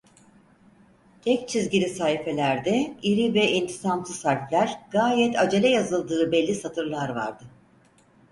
Tek çizgili sahifelerde, iri ve intizamsız harfler, gayet acele yazıldığı belli satırlar vardı.